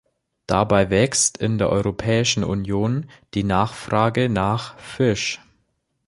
Dabei wächst in der Europäischen Union die Nachfrage nach Fisch.